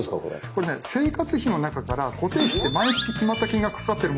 これね生活費の中から固定費って毎月決まった金額かかってるものってあると思うんです。